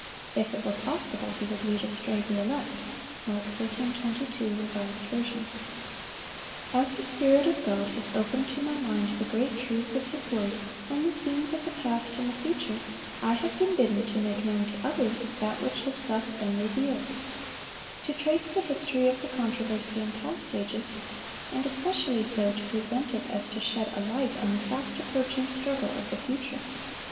If it were possible, he would lead astray the elect. Mark 13:22, Revised Version. As the Spirit of God has opened to my mind the great truths of His word, and the scenes of the past and the future, I have been bidden to make known to others that which has thus been revealed,—to trace the history of the controversy in past ages, and especially so to present it as to shed a light on the fast approaching struggle of the future.